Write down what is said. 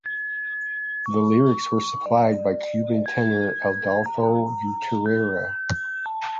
The lyrics were supplied by Cuban tenor Adolfo Utrera.